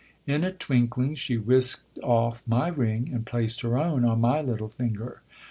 In a twinkling she whisked off my ring, and placed her own on my little finger.